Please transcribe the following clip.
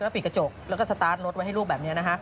แล้วปิดกระจกแล้วก็สตาร์ทรถไว้ให้ลูกแบบนี้นะฮะ